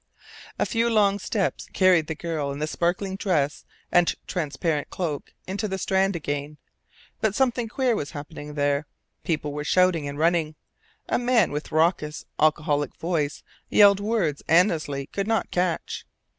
A few long steps carried the girl in the sparkling dress and transparent cloak into the Strand again. But something queer was happening there. People were shouting and running. A man with a raucous, alcoholic voice, yelled words Annesley could not catch.